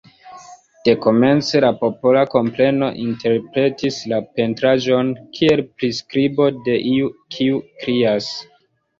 Dekomence la popola kompreno interpretis la pentraĵon kiel priskribo de iu kiu krias.